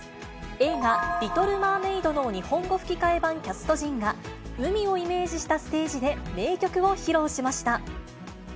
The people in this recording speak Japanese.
映画、リトル・マーメイドの日本語吹き替え版キャスト陣が、海をイメージしたステージで、名曲を披露しました。